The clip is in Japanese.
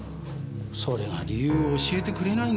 それが理由を教えてくれないんです。